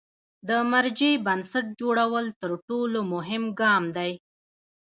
د مرجع بنسټ جوړول تر ټولو مهم ګام دی.